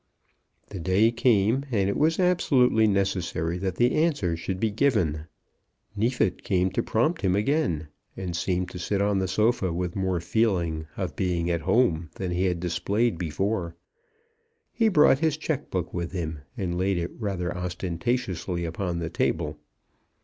The day came, and it was absolutely necessary that the answer should be given. Neefit came to prompt him again, and seemed to sit on the sofa with more feeling of being at home than he had displayed before. He brought his cheque book with him, and laid it rather ostentatiously upon the table.